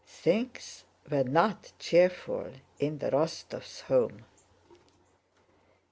Things were not cheerful in the Rostóvs' home.